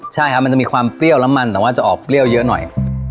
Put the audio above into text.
ใช่ครับมันจะมีความเปรี้ยวน้ำมันแต่ว่าจะออกเปรี้ยวเยอะหน่อย